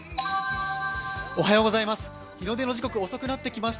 おはようございます。